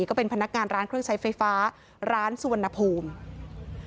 ก็เป็นพนักงานร้านเครื่องใช้ไฟฟ้าร้านสุวรรณภูมิ